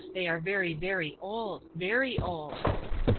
thej are very, very old ! very old